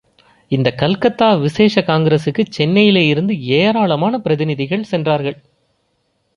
இந்தக் கல்கத்தா விசேஷ காங்கிரசுக்குச் சென்னையிலே இருந்து ஏராளமான பிரதிநிதிகள் சென்றார்கள்.